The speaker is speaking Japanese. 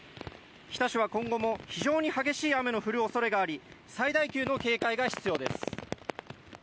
日田市は今後も非常に激しい雨の降るおそれがあり最大級の警戒が必要です。